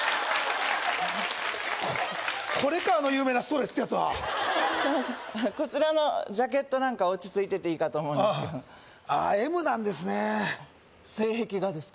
これかあの有名なストレスってやつはこちらのジャケットなんか落ち着いてていいかと思うんですけどああＭなんですね性癖がですか？